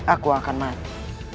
aku akan mati